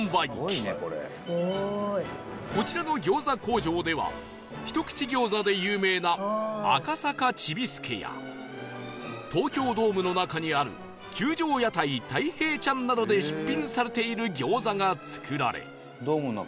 こちらの餃子工場では一口餃子で有名な赤坂ちびすけや東京ドームの中にある球場屋台大平ちゃんなどで出品されている餃子が作られ